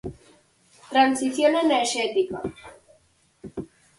Transición enerxética.